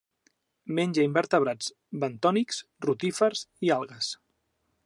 Menja invertebrats bentònics, rotífers i algues.